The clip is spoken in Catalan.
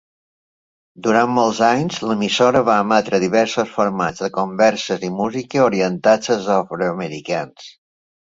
Durant molts anys, l'emissora va emetre diversos formats de converses i música orientats als afroamericans.